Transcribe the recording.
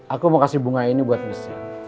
aku mau kasih bunga ini buat misi